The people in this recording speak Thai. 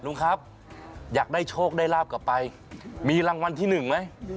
ลุงครับอยากได้โชคได้ลาบกลับไปมีรางวัลที่หนึ่งไหม